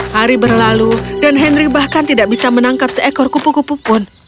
hari berlalu dan henry bahkan tidak bisa menangkap seekor kupu kupu pun